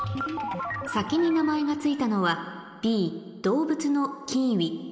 先に名前がついたのは「Ｂ動物のキーウィ」